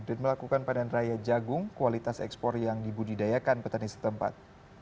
dan melakukan padan raya jagung kualitas ekspor yang dibudidayakan petani setempat